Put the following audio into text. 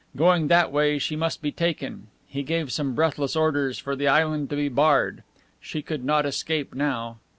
Going that way she must be taken. He gave some breathless orders for the island to be barred. She could not escape now!